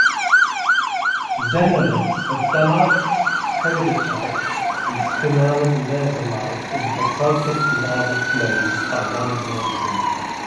Xenoliths of dunite, peridotite and spinel lherzolite in basaltic lava flows are one example.